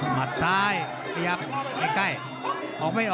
หมัดซ้ายขยับใกล้